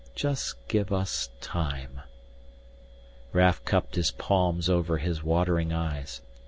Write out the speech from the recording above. Just give us time " Raf cupped his palms over his watering eyes.